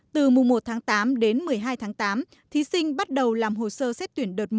từ mùa một tháng tám đến một mươi hai tháng tám thí sinh bắt đầu làm hồ sơ xét tuyển đợt một